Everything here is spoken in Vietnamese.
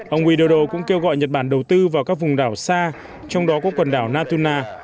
ông widodo cũng kêu gọi nhật bản đầu tư vào các vùng đảo xa trong đó có quần đảo natuna